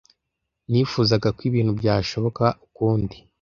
Nifuzaga ko ibintu byashoboka ukundi.